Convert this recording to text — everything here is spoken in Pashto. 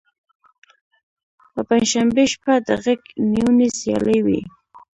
په پنجشنبې شپه د غیږ نیونې سیالۍ وي.